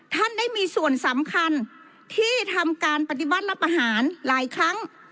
ท่านได้มีส่วนสำคัญที่ทำการปฏิบัติรับอาหารหลายครั้ง